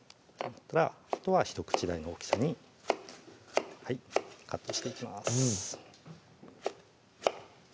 あとは１口大の大きさにカットしていきます